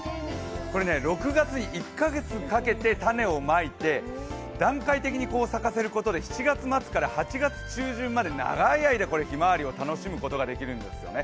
これ、６月、１か月かけて種をまいて段階的に咲かせることで７月末から８月中旬まで長い間、ひまわりを楽しむことができるんですよね。